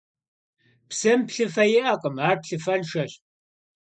Psım plhıfe yi'ekhım, ar plhıfenşşeş.